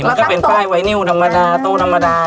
ก็เป็นป้ายไวนิวธรรมดาโต๊ธรรมดา